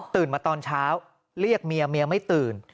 มาตอนเช้าเรียกเมียเมียไม่ตื่น